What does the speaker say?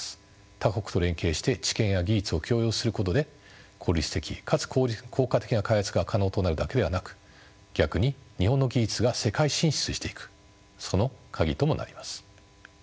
他国と連携して知見や技術を共有することで効率的かつ効果的な開発が可能となるだけではなく逆に日本の技術が世界進出していくそのカギともなります。